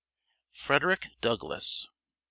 FREDERICK DOUGLASS.